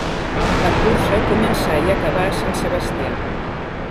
La cursa començà i acabà a Sant Sebastià.